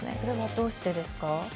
どうしてですか？